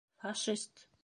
Фашист!